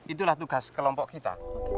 itulah tugas kelompok kita